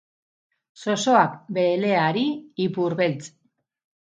Zozoak beleari "ipurbeltz".